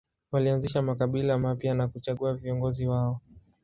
Walianzisha makabila mapya na kuchagua viongozi wao.